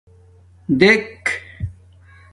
دیک